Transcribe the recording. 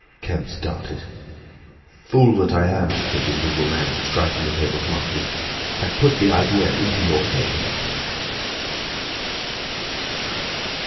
Kemp started. "Fool that I am!" said the Invisible Man, striking the table smartly. "I've put the idea into your head."